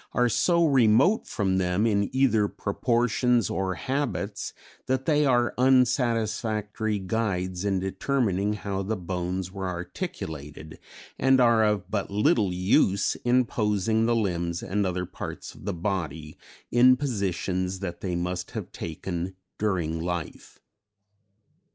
are so remote from them in either proportions or habits that they are unsatisfactory guides in determining how the bones were articulated and are of but little use in posing the limbs and other parts of the body in positions that they must have taken during life.